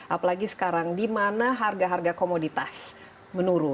apalagi sekarang di mana harga harga komoditas menurun